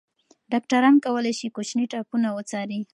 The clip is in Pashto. ډاکټران کولی شي کوچني ټپونه وڅاري.